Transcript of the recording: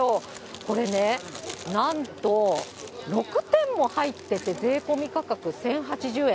これね、なんと６点も入ってて、税込み価格１０８０円。